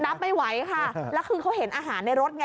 รับไม่ไหวค่ะแล้วคือเขาเห็นอาหารในรถไง